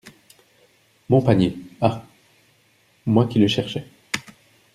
Mon panier, ah ! moi qui le cherchais !